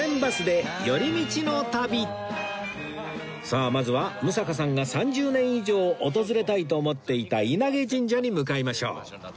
さあまずは六平さんが３０年以上訪れたいと思っていた稲毛神社に向かいましょう